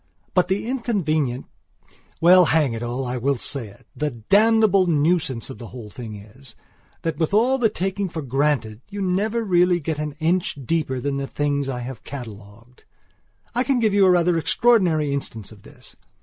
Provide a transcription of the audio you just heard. But the inconvenientwell, hang it all, I will say itthe damnable nuisance of the whole thing is, that with all the taking for granted, you never really get an inch deeper than the things I have catalogued. I can give you a rather extraordinary instance of this.